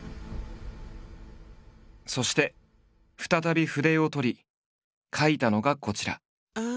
そして再び筆を執り描いたのがこちら。